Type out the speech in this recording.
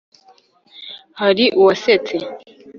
hari uwasetse